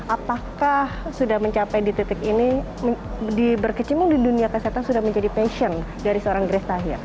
apakah sudah mencapai di titik ini berkecimpung di dunia kesehatan sudah menjadi passion dari seorang grace tahir